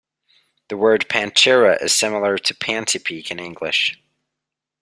The word Panchira is similar to panty peek in English.